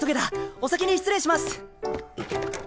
お先に失礼します！